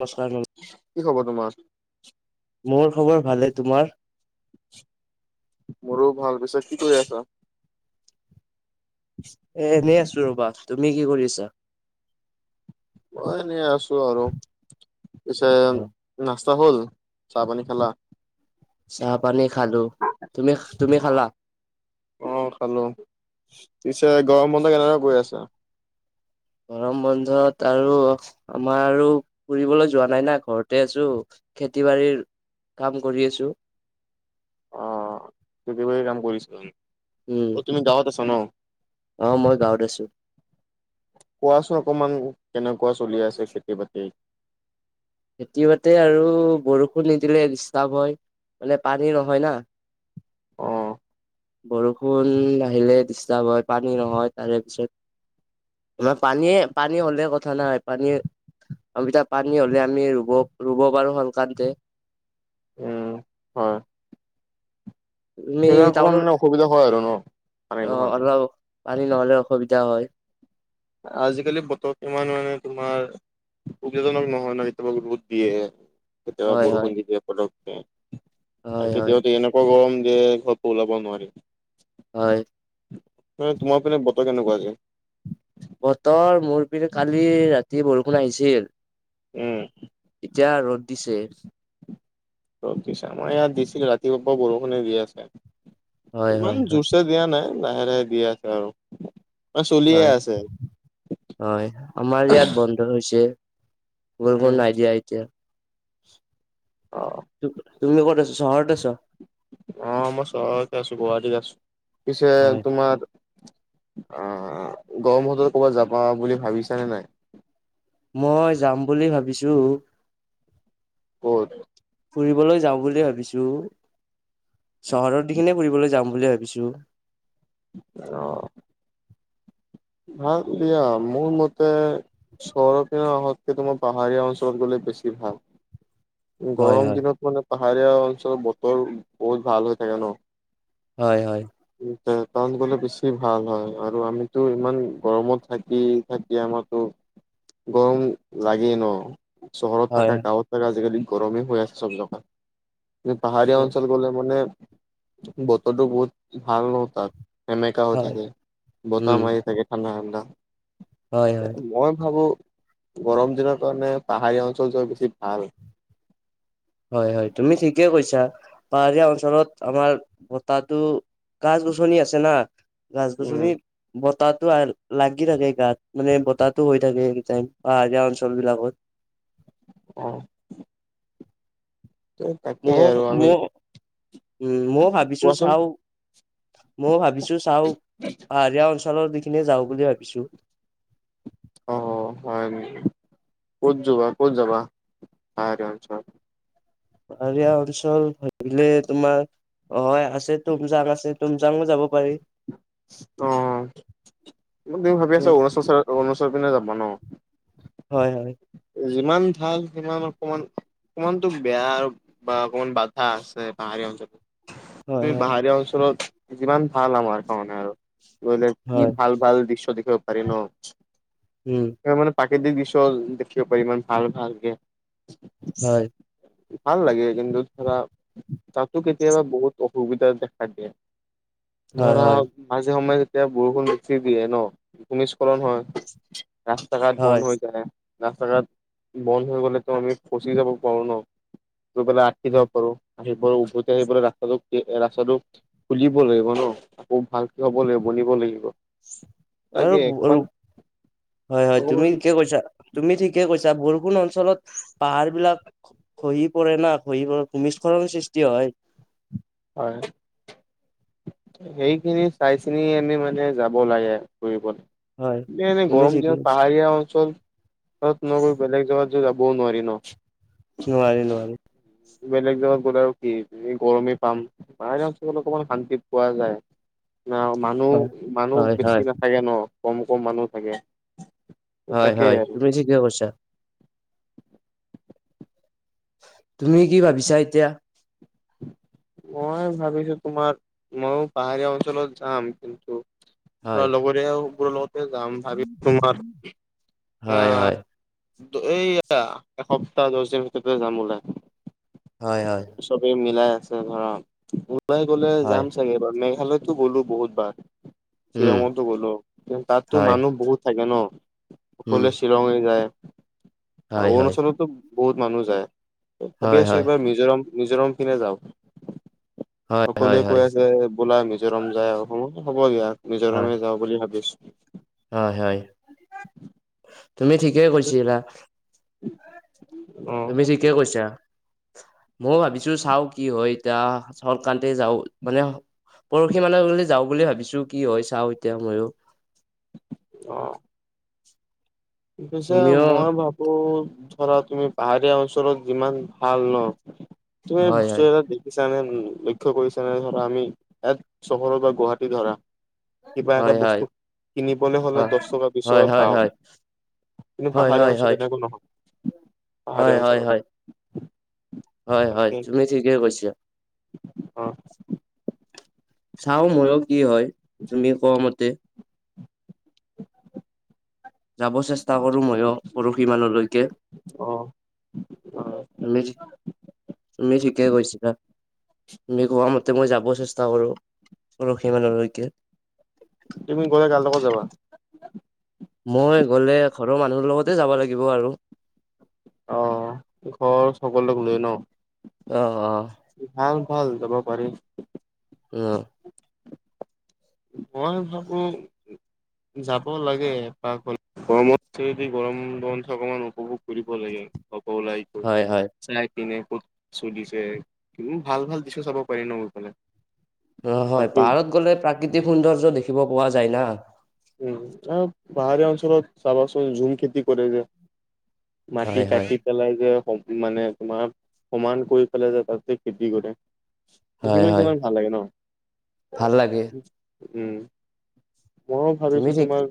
[unintelligible] কি খবৰ তোমাৰ? মোৰ খবৰ ভালে, তোমাৰ? মোৰো ভাল। পিছে কি কৰি আছা? এ এনেই আছো ৰবা। তুমি কি কৰিছা? মই এনেই আছো আৰু। পিছে নাস্তা হল, চাহপানী খালা? চাহপানী খালো। তুমি-তুমি খালা? অ খালো, পিছে গৰম বন্ধ কেনেদৰে গৈ কআছে? গৰম বন্ধত আৰু, আমাৰ আৰু, ফুৰিবলৈ যোৱা নাই না, ঘৰত ঘৰতে আছো, খেতি বাৰীৰ কাম কৰি আছোঁ। অ খেতি বাৰীৰ কাম কৰিছিলো [unintelligible] আমি, উম অ তুমি গাঁৱত আছা ন? [unintelligible] অ মই গাঁৱত আছো। কোৱাচোন অকনমান কেনেকুৱা চলি আছে খেতি-বাতি? খেতি-বাতি আৰু, বৰষুণ নিদিলে ডিষ্টাৰ্ব হয়, মানে পানী নহয় না। অ' বৰষুণ নাহিলে ডিষ্টাৰ্ব হয়, পানী নহয় তাৰে পিছত। আমাৰ পানীয়ে, পানী হ'লে কথা নাই পানীয়ে আমি তাত পানী হলে আমি ৰুব, ৰুব পাৰোঁ, সংকান্তে। উম হয়। তুমি সেইকাৰণে অকমান টাউনৰ মানে অসুবিধা হয় আৰু ন, পানী অ নোহোৱাকে। অলপ পানী নহ'লে অসুবিধা হয়। আজিকালি বতৰ কিমান মানে তোমাৰ উবজাজনক নহয় ন কেতিয়াবা ৰ'দ দিয়ে, কেতিয়াবা হয় হয় বৰষুণ দিয় পতকে আৰু হয় হয় কেতিয়াবা এনেকুৱা গৰম দিয়ে, ঘৰটো ওলাব নোৱাৰি। হয়। তোমাৰ পিনে বতৰ কেনেকুৱা আজি? বতৰ মোৰ পিনে কালি ৰাতি বৰষুণ আহিছিল। উম। এতিয়া ৰ'দ দিছে। ৰদ‌ দিছে, আমাৰ ইয়াত দিছিলে, ৰাতিপুৱা পৰা বৰষুণে দি আছে, হয় হয় ইমান হয় জোৰছে দিয়া নাই, লাহে-লাহে দি আছে আৰু। মানে চলিয়ে হয়, আছে। হয়, আমাৰ ইয়াত বন [unintelligible] হৈছে উম, বৰষুণ নাই দিয়া এতিয়া। অ'হ। তুমি ক'ত আছা, চহৰত আছা? অ মই চহৰত আছোঁ, গুৱাহাটীত আছোঁ, পিছে হয় তোমাৰ অ গৰম বন্ধত কৰ'বাত যাবা বুলি ভাবিছা নে নাই? মই যাম বুলি ভাবিছোঁ। কত? ফুৰিবলৈ যাওঁ বুলিয়ে ভাবিছোঁ, চহৰত যিখিনি ফুৰিবলৈ যাম বুলি ভাবিছোঁ। অ'। ভাল দিয়া, মোৰ মতে চহৰতে [unintelligible] তোমাৰ পাহাৰীয়া অঞ্চলত গ'লে বেছি ভাল। হয় গৰম হয় দিনত মানে পাহাৰীয়া অঞ্চলত বতৰ বহুত ভাল হৈ থাকে ন? হয়, হয়। টাৱাং গ'লে বেছি ভাল হয়। আৰু আমি টো ইমান গৰমত থাকি-থাকি আমাৰতো গৰম লাগেই নহ? চহৰত থকা হয় গাঁৱত থকা আজিকালি গৰমেই হৈ আছে চব জেগাত। পাহাৰীয়া অঞ্চল গলে মানে বতৰটো বহুত ভাল নহ তাত? এনেকা হৈ হয় থাকে। বতাহ উম মাৰি থাকে ঠাণ্ডা-ঠাণ্ডা, হয় হয় মই ভাবোঁ গৰম দিনৰ কাৰণে পাহাৰীয়া অঞ্চল যোৱা বেছি ভাল। হয়, হয় তুমি ঠিকে কৈছা। পাহাৰীয়া অঞ্চলত আমাৰ বতাহটো গছ -গছনি আছে না? গছ উম -গছনি বতাহটো লাগি থাকে গাত মানে বতাহটো হৈ থাকে এনিটাইম পাহাৰীয়া অঞ্চল বিলাকত। অহ। তাকেই আৰু আমি মই-মই উ মই ভাবিছোঁ কোৱাচোন চাওঁ মইয়ো ভাবিছোঁ চাওঁ, পাহাৰীয়া অঞ্চলৰ খিনিয়ে যাওঁ বুলি ভাবিছোঁ। অ', হয় নেকি? ক'ত যোৱা, ক'ত যাবা, পাহাৰীয়া অঞ্চল? পাহাৰীয়া অঞ্চল ভাবিলে তোমাৰ অ', আছে তুমজাং আছে তুমজাংউ যাব পাৰি। অ', মই তুমি ভাবি আছা, অৰুণাচল অৰুণাচলৰ পিনে যাবা ন? হয়, হয়। যিমান ভাল সিমান অকনমান, সিমানটো বেয়া আৰু বা অকনমান বাধা আছে পাহাৰীয়া অঞ্চলত। হয় তুমি হয় পাহাৰীয়া অঞ্চলত যিমান ভাল আমাৰ কাৰণে আৰু। কলে কি হয় ভাল ভাল দৃশ্য দেখিবও পাৰি ন? উম। মানে প্ৰাকৃতিক দৃশ্য দেখিব পাৰি ইমান ভাল ভালকে। হয়। ভাল লাগে কিন্তু ধৰা তাতো কেতিয়াবা বহুত অসুবিধা দেখা দিয়ে। হয় হয় [unintelligible] মাজে সময়ে যেতিয়া বৰষুণ বেছি দিয়ে নহ ভূমিস্খলন হয়। ৰাস্তা ঘাট বন্ধ হয় হৈ যায়। ৰাস্তা ঘাট বন্ধ হৈ গলেতো আমি ফচি যাব পাৰোঁ নহ? হেটো পেলাই অতকি যাব পাৰোঁ। আহিব উভতি আহি পেলাই ৰাস্তাটো খুলিব লাগিব নহ, আকৌ ভালকে হ'ব লাগিব বনিব লাগিব। তাকে অকমান আৰু, হয় অকমান তুমি কিয় কৈছা। তুমি ঠিকে কৈছা, বৰষুণ অঞ্চলত পাহাৰ বিলাক খহি পৰে না খহি পৰে ভূমিস্খলন সৃষ্টি হয়। হয়। সেইখিনি চাই চিনি আমি মানে যাব লাগে হয় ফুৰিবলৈ। এনেই তুমি গৰম ঠিকে দিনত কৈছা। পাহাৰীয়া অঞ্চল নগৈ বেলেগ জেগাত যে যাবও নোৱাৰি ন? নোৱাৰি-নোৱাৰি। বেলেগ জেগাত গ'লে আৰু কি, এ গৰমেই পাম। পাহাৰীয়া অঞ্চলত অকমান শান্তি পোৱা যায়। ন হয় মানুহ-মানুহ হয় বেছি হয় নাথাকে ন, কম-কম মানুহ থাকে। হয়, হয় তাকে তুমি ঠিকে কৈছা। তুমি কি ভাবিছা এতিয়া? মই ভাবিছোঁ তোমাৰ, ময়ো পাহাৰীয়া অঞ্চলত যাম কিন্তু ধৰা হয় লগৰীয়াবোৰ লগতে যাম ভাবি তোমাৰ এ- হয় হয় এই এসপ্তাহ দহ দিনৰ ভিতৰতে যাম হ'বলা। হয় হয় চবেই মিলাই আছে ধৰা ডোবাই গ'লে হয় যাম চাগে এবাৰ মেঘালয়ত তো গ'লো বহুতবাৰ উম শ্বিলঙতো গ'লো কিন্ত তাতো হয় মানুহ বহুত। থাকে ন উম গ'লে শ্বিলং যায় হয় হয় অৰুণাচলতো। বহুত মানুহ যায় ভাবি হয় আছো হয় এইবাৰ মিজোৰাম মিজোৰাম পিনে যাওঁ। হয় সকলোৱে হয় হয় কৈ আছে বলা মিজোৰাম যায় আহো হ'ব দিয়া হয় মিজোৰামে যাওঁ বুলি ভাবিছো। হয় হয় তুমি ঠিকে কৈছিলা। উ [inaudible] তুমি ঠিকে কৈছা ময়ো ভাবিছো চাও কি হয়। এতিয়া চকান্তি যাও মানে। পৰহি মানে যাওঁ বুলি ভাবিছো কি হয় চাওঁ এতিয়া ময়ো। অ পিছে তুমিও মই ভাবো- ধৰা তুমি পাহাৰীয়া অঞ্চলত যিমান ভাল ন। তুমি এনে হয় হয় বস্তু এটা দিম ছ নে লক্ষ্য কৰিছা নে ধৰা আমি এ চহৰত বা গুৱাহাটী ধৰা। কিবা এটা হয় হয় বস্তু কিনিবলৈ হলে হয় দশ টকা বিশ হয় টকা হয় পাওঁ। কিন্তু হয় পাহাৰীয়া হয় অঞ্চল হয় তেনেকৈ নহয়। হয় পাহাৰীয়া হয় অঞ্চলত হয়। হয় হয় তাকে তুমি ঠিকে কৈছা। অ চাওঁ ময়ো কি হয় তুমি কোৱা মতে। [inaudible] যাব চেষ্টা কৰোঁ ময়ো পৰহি মানলৈকে। অ অ তুমি তুমি ঠিকে কৈছিলা। তুমি কোৱা মতে মই যাব চেষ্টা কৰো পৰহী মানলৈকে। তুমি গ'লে কাৰলগত যাবা। মই গ'লে ঘৰৰ মানুহৰ লগতে যাব লাগিব আৰু। আহ ঘৰ সকলোক লৈ ন। অ অ ভাল ভাল যাব পাৰি। উম মই ভাবো যাব লাগে। এপাক হ'লেও গৰমত থোৰেদি গৰম বন্ধ অকমান উপভোগ কৰিব লাগে ঘৰৰ পৰা ওলাই। গৈ হয় হয় চাই পিনে ক'ত চুলিছে কিমান ভাল ভাল দৃশ্য চাব পাৰি ন গৈ পালে। অ হয় পাহাৰত গ'লে প্ৰাকৃতিক সৌন্দৰ্য দেখিব পোৱা যায় না। উম আৰু পাহাৰীয়া অঞ্চলত চাবাচোন ঝুম খেতি কৰে যে। মাটি হয় হয় কাটি পেলে যে স মানে তোমাৰ সমান কৰি পেলাই যে তাত যে খেতি কৰে। হয় দেখিবলৈ হয় কিমান ভাল লাগে ন ভাল লাগে উম। ময়ো ভাবিছো তুমি ঠিক তোমাৰ।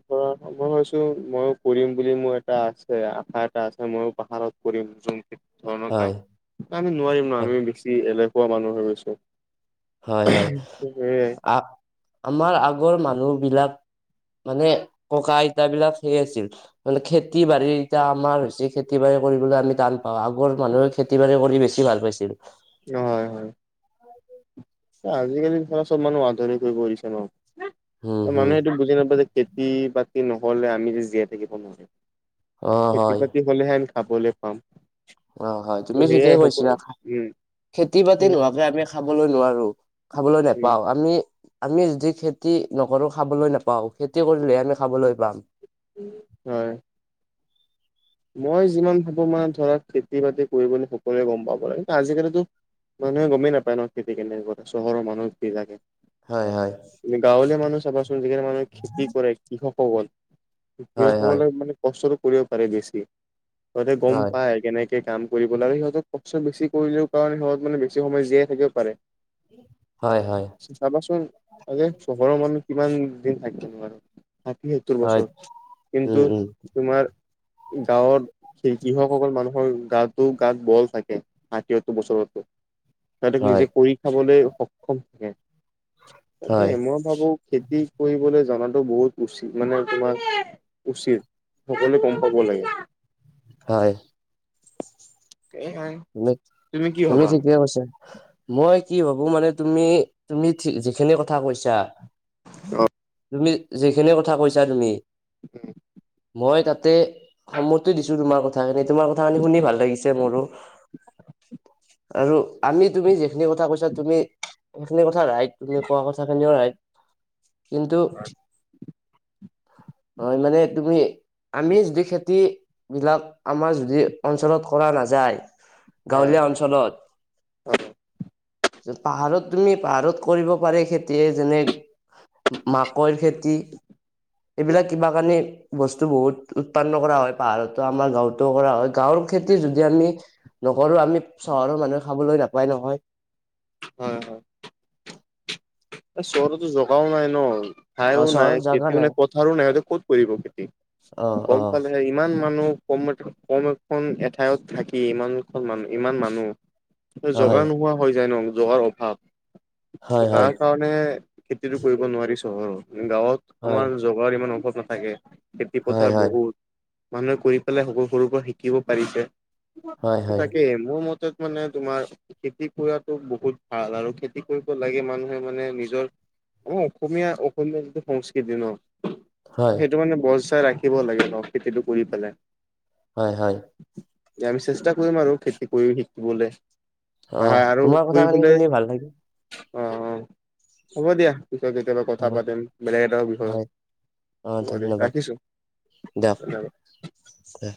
মই ভাবিছো ময়ো কৰিম বুলি মোৰ এটা আছে আশা এটা আছে ময়ো পাহাৰত কৰিম। ঝুম ধৰণৰ হয় কাম আমি নোৱাৰিম ন হয় আমি বেছি এলেহুৱা মানুহ হৈ গৈছো। হয় হয় সেয়াই আ আমাৰ আগৰ মানুহ বিলাক। মানে ককা- আইতা বিলাক সেই আছিল। মানে খেতি বাৰী এতিয়া আমাৰ হৈছে খেতি বাৰী কৰিবলৈ আমি টান পাওঁ আগৰ মানুহে। খেতি বাৰী কৰি বেছি ভাল পাইছিল। হয় হয়। অ আজিকালি ধৰা চব মানুহ আধুনিক হৈ পৰিছে ন উম হম মানুহে এইটো বুজি নাপায় যে খেত। খেতি - বাতি নহ'লে আমি জীয়াই থাকিব নোৱাৰো অ খেতি- হয় বাতি। গ'লেহে আমি খাবলে পাম। অ, হয় ত তুমি ঠিকে সেয়াই সকলো কৈছিলা, উম খেতি-বাতি উম নোহোৱাকে আমি খাবলৈ নোৱাৰো। খাবলে উম নেপাওঁ আমি। আমি যদি খেতি নকৰো খাবলৈ নেপাওঁ খেতি কৰিলেহে আমি খাবলে পাম। হয়। মই যিমান ভাবো মানে ধৰা খেতি - বাতি কৰিব সকলোৱে গম পাব লাগে কিন্তু আজি কালিতো। মানুহে গমেই নাপায় ন' খেতি কেনেকুৱা কৰে চহৰ মানুহে হয়-হয়। গাঁৱলীয়া মানুহ চাবাচোন যিখিনি মানুহে খেতি কৰে কৃষকসকল হয় হয় কৃষকসকলে মানে। কষ্টতটো কৰিব পাৰে বেছি তহতে গম হয় পায়। কেনেকে কাম কৰিব লাগে সিহঁতক কষ্ট বেছি কৰিলেও কাৰণে সিহঁত মে বেছি সময় জীয়াই থাকিবও পাৰে। হয়-হয়। চাবাচোন আ চহৰৰ মানুহ কিমান দিন থাকিব পাৰে। ষাঠিসত্তৰ হয় বছৰ কিন্তু উম উম তোমাৰ গাঁওত, সেই কৃষকসকল মানুহৰ গাতো গাত বল থাকে হাতীয়ো বছৰতো। তাহতে নিজে হয় কৰি খাবলে শক শক্তি থাকে। হয় ভাবো খেতি কৰিবলৈ জাতটো বহুত উচিত মানে তোমাৰ উচিত। সকলো গম পাব লাগে। হয়। সেইয়াই, তুমি-তুমি ঠিকেই কৈছা। মই কি ভাবো মানে তুমি-তুমি যিখিনি কথা কৈছা। হয় তুমি যিখিনি কথা কৈছা তুমি। উম, মই তাতে সন্মতি দিছো তোমাৰ কথাখিনি তোমাৰ কথাখি শুনি ভাল লাগিছে মোৰো। আৰু আমি তুমি যিখিনি কথা কৈছা, তুমি সেইখিনি কথা ৰাইত। তুমি কোৱা কথা খিনিও ৰাইত। কিন্তু, অ, মানে তুমি আমি যদি খেতিবিলাক আমাৰ যদি অঞ্চলত কৰা নাযায়। হয় গাঁৱলীয়া অঞ্চলত, পাহাৰত তুমি পাহাৰত কৰিব পাৰে খেতি। যেনে মাকৈৰ খেতি। এইবিলাক কিবা কানি বস্তু বহুত উৎপন্ন কৰা হয় পাহাৰতো আমাৰ গাঁৱতো কৰা হয়। গাঁৱত খেতি যদি আমি নকৰো আমি চহৰৰ মানুহে খাবলে নাপায় নহয়। হয়-হয়। এ চহৰতটো জগাও নাই ন। অ খাইও চহৰত নাই জাগা খেতিও নাই কথাৰো নাই ক'ত কৰিব খেতি অ অ গম পালে। ইমান মানুহ কম-কম এখন এঠাইত থাকি ইমান এখন মানুহ ইমান মানুহ। [inaudible] জগা নোহোৱা হৈ যায় ন জগাৰ অভাৱ, হয় হয় হয় তাত কাৰণে খেতিতটো কৰিব নোৱাৰি চহৰৰ গাঁৱত হয় আমাৰ জগাৰ ইমান অভাৱ নাথাকে। খেতি হয় পথাৰ হয় বহুত মানুহে কৰি পেলাই সৰু-সৰুৰ পৰা শিকিব পাৰিছে। হয় হয় তাকে মোৰ মতে মানে তোমাৰ খেতি কৰাতো বহুত ভাল আৰু খেতি কৰিব লাগে। মানুহ মানে নিজৰ আমাৰ অসমীয়া-অসমীয়া যিটো সংস্কৃতি ন। হয় সেইটো মানে বৰ চাই ৰাখিব লাগে অ, খেতিটো কৰি পেলাই। হয়-হয়। আমি চেষ্টা কৰিম আৰু খেতি কৰি শিকিবলে। অ পাহাই আৰু তোমাৰ কথা ফুৰিবলে শুনি ভাল লাগিল অ, অ, হ'ব দিয়া পিছত কেতিয়াবা কথা হ'ব পাতিম বেলেগ এটা বিষয়ত। হয় অ হব দে ধন্যবাদ ৰাখিছো। হ'ব দে।